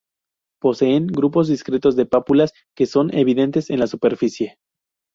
Poseen grupos discretos de pápulas, que no son evidentes en la superficie.